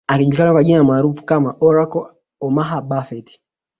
Akijulikana kwa jina maarufu kama Oracle Omaha Buffet